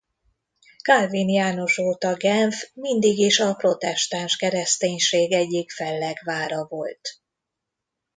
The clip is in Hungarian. Kálvin János óta Genf mindig is a protestáns kereszténység egyik fellegvára volt.